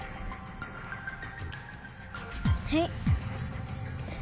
はい。